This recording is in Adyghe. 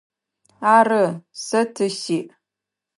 Ары, сэ ты сиӏ.